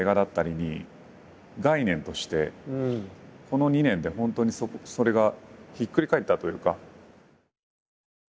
この２年で本当にそれがひっくり返ったというか。